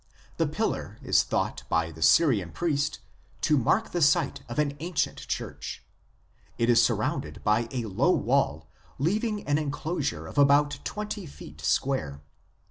The pillar is thought by the Syrian priest to mark the site of an ancient church. It is surrounded by a low wall, leaving an enclosure of about twenty feet square.